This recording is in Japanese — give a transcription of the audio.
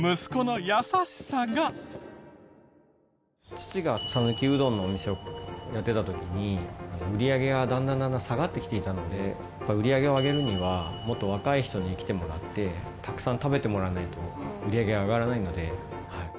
父が讃岐うどんのお店をやってた時に売り上げがだんだんだんだん下がってきていたので売り上げを上げるにはもっと若い人に来てもらってたくさん食べてもらわないと売り上げが上がらないので。